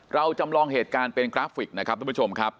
เราจำลองเหตุการณ์เป็นกราฟิกนะครับทุกผู้ชมครับ